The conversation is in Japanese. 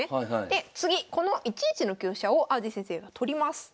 で次この１一の香車を淡路先生が取ります。